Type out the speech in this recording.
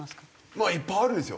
まあいっぱいあるんですよ。